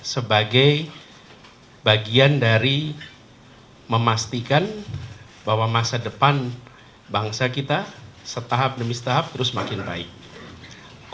sebagai bagian dari memastikan bahwa masa depan bangsa kita setahap demi setahap terus makin baik